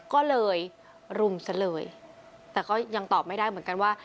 ก็เลยรุมซะเลยแต่ก็ยังตอบไม่ได้เหมือนกันว่า